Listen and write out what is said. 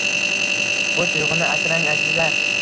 Bu tuyg‘uni asrang, azizlar.